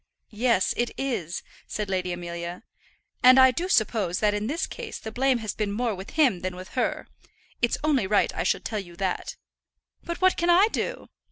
"Yes, it is," said Lady Amelia. "And I do suppose that in this case the blame has been more with him than with her. It's only right I should tell you that." "But what can I do?"